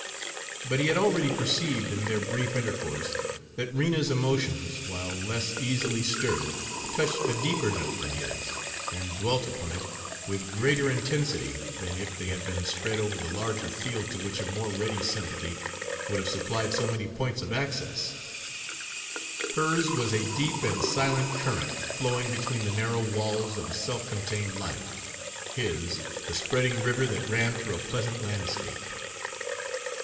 But he had already perceived, in their brief intercourse, that Rena's emotions, while less easily stirred, touched a deeper note than his, and dwelt upon it with greater intensity than if they had been spread over the larger field to which a more ready sympathy would have supplied so many points of access; hers was a deep and silent current flowing between the narrow walls of a self contained life, his the spreading river that ran through a pleasant landscape.